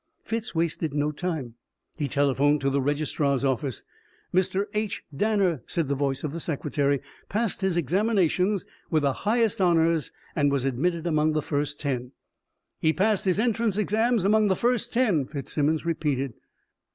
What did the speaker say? Fitz wasted no time. He telephoned to the registrar's office. "Mr. H. Danner," said the voice of a secretary, "passed his examinations with the highest honours and was admitted among the first ten." "He passed his entrance exams among the first ten," Fitzsimmons repeated.